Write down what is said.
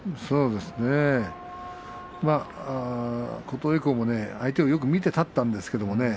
琴恵光も相手をよく見て立ったんですけれどもね。